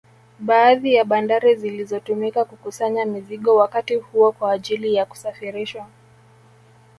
Baadhi ya bandari zilizotumika kukusanya mizigo wakati huo kwa ajili ya kusafirishwa